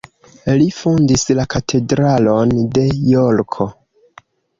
Li fondis la katedralon de Jorko.